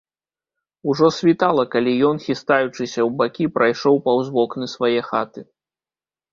Ужо світала, калі ён, хістаючыся ў бакі, прайшоў паўз вокны свае хаты.